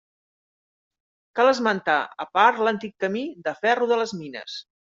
Cal esmentar a part l'Antic Camí de Ferro de les Mines.